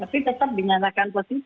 tapi tetap dinyatakan positif